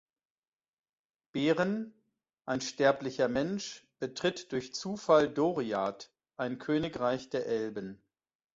Beren, ein sterblicher Mensch, betritt durch Zufall Doriath, ein Königreich der Elben.